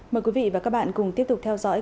mời quý vị và các bạn cùng tiếp tục theo dõi